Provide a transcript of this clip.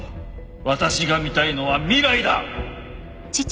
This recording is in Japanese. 私が見たいのは未来だ！